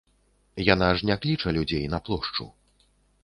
Яна ж не кліча людзей на плошчу.